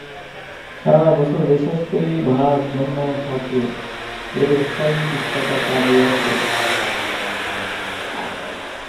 সারা বছর বেসরকারি ভাড়ার জন্য থাকে এবং এর স্থায়ী বৃত্তাকার তাঁবু আছে।